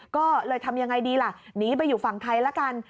ก็เลยทำยังไงดีล่ะหนีไปอยู่ฝั่งไทยละกัน